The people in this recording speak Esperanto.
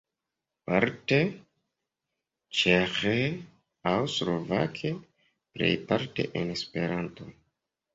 Parte ĉeĥe aŭ slovake, plejparte en Esperanto.